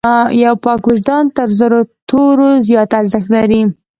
یو پاک وجدان تر زرو تورو زیات ارزښت لري.